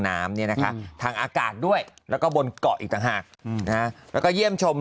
น้ำเนี่ยนะคะทางอากาศด้วยแล้วก็บนเกาะอีกต่างหากแล้วก็เยี่ยมชม